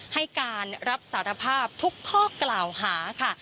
ให้การรับสารภาพทุกข้อกล่าวหาค่ะ